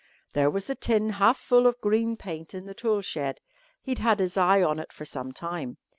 There was the tin half full of green paint in the tool shed. He'd had his eye on it for some time.